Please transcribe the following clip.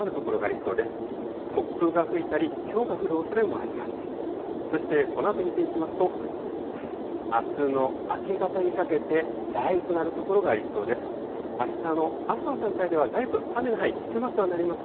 そしてこのあと見ていきますと、あすの明け方にかけて、雷雨となる所がありそうです。